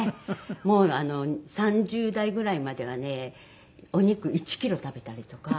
もう３０代ぐらいまではねお肉１キロ食べたりとか。